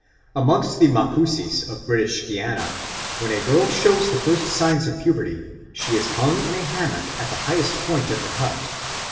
Amongst the Macusis of British Guiana, when a girl shows the first signs of puberty, she is hung in a hammock at the highest point of the hut.